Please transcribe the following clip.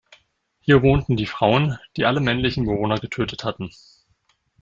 Hier wohnten die Frauen, die alle männlichen Bewohner getötet hatten.